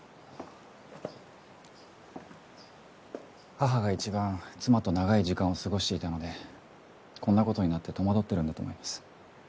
母が一番妻と長い時間を過ごしていたのでこんなことになって戸惑ってるんだと思います。